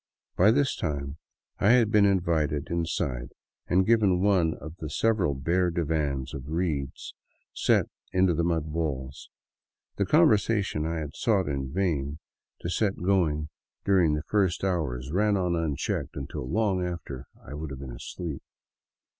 By the time I had been invited inside and given one of several bare divans of reeds set into the mud walls, the conversation I had sought in vain to set going dur 218 I THE WILDS OF NORTHERN PERU ing the first hours ran on unchecked until long after I would have been asleep.